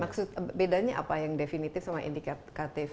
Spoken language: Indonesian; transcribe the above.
maksud bedanya apa yang definitif sama indikatif